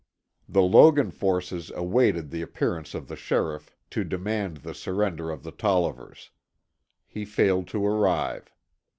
The Logan forces awaited the appearance of the sheriff to demand the surrender of the Tollivers. He failed to arrive.